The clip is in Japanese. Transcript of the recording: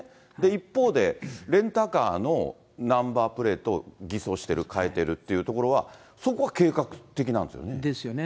一方で、レンタカーのナンバープレートを偽装してる、替えているっていう所は、そこは計画的なんですよね。ですよね。